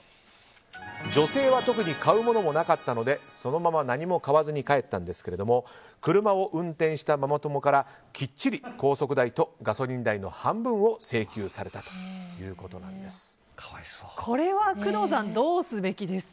女性は特に買うものもなかったのでそのまま何も買わずに帰ったんですが車を運転したママ友からきっちり高速代とガソリン代の半分を請求されたということです。